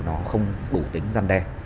nó không đủ tính răn đe